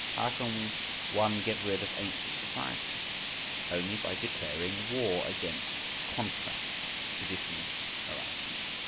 How can one get rid of ancient society?" Only by declaring war against "contracts" (traditions, morality).